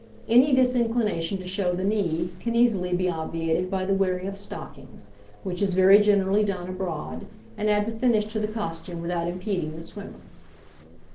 Any disinclination to show the knee can easily be obviated by the wearing of stockings, which is very generally done abroad, and adds a finish to the costume without impeding the swimmer.